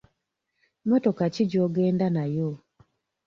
Mmotoka ki gy'ogenda nayo?